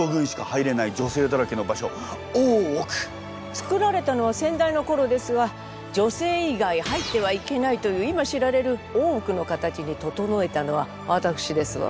つくられたのは先代の頃ですが女性以外入ってはいけないという今知られる大奥の形に整えたのはわたくしですわ。